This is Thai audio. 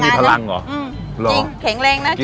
คนที่มาทานอย่างเงี้ยควรจะมาทานแบบคนเดียวนะครับ